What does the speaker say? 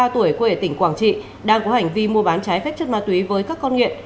ba mươi tuổi quê ở tỉnh quảng trị đang có hành vi mua bán trái phép chất ma túy với các con nghiện